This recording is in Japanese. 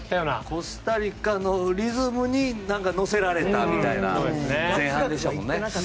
コスタリカのリズムに乗せられたみたいな前半でしたもんね。